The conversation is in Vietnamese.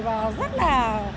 và rất là